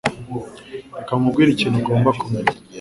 Reka nkubwire ikintu ugomba kumenya.